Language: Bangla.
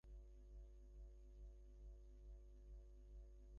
এখন জৈনধর্মাবলম্বিগণ এ-সব কর্মের বিরুদ্ধে কঠিন মত প্রকাশ করত।